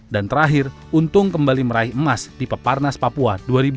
dan terakhir untung kembali meraih emas di peparnas papua dua ribu dua puluh satu